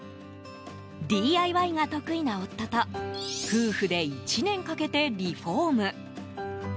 ＤＩＹが得意な夫と夫婦で１年かけてリフォーム。